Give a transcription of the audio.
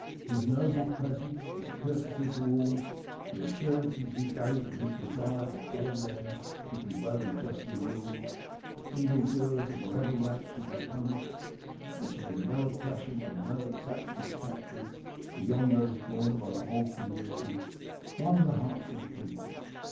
His noble presence, his courtesy to all, the assurances he gave of his desire that all men should be well and justly ruled, that evil doers of whatever rank should be punished, that there should be no oppression and no exaction of taxes beyond those borne by the whole community, won the hearts of the people.